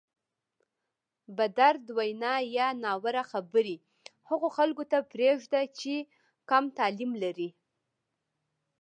بدرد وینا یا ناوړه خبرې هغو خلکو ته پرېږده چې کم تعلیم لري.